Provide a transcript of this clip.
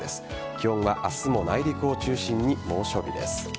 気温は明日も内陸を中心に猛暑日です。